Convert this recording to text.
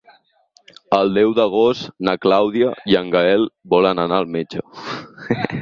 El deu d'agost na Clàudia i en Gaël volen anar al metge.